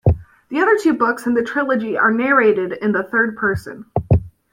The other two books in the trilogy are narrated in the third person.